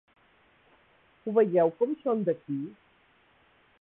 Ho veieu com són d'aquí?